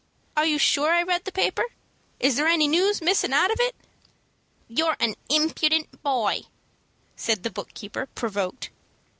Are you sure I read the paper? Is there any news missin' out of it?" "You're an impudent boy," said the book keeper, provoked.